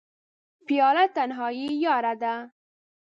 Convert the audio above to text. پیاله د تنهایۍ یاره ده.